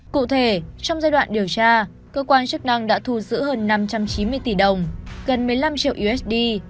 cụ thể trong giai đoạn điều tra cơ quan chức năng đã thu giữ hơn năm trăm chín mươi tỷ đồng gần một mươi năm triệu usd